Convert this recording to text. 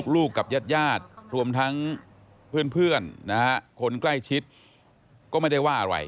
กับญาติญาติรวมทั้งเพื่อนนะฮะคนใกล้ชิดก็ไม่ได้ว่าอะไร